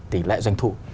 tỷ lệ doanh thụ